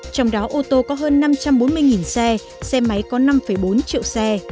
trong đó ô tô có hơn năm trăm bốn mươi xe xe máy có năm bốn triệu xe